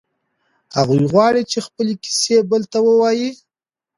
هغه غواړي چې خپلې کیسې بل ته ووایي.